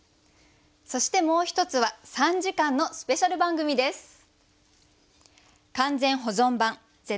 そしてもう一つは３時間のスペシャル番組です。